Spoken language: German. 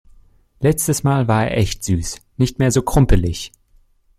Letztes mal war er echt süß. Nicht mehr so krumpelig.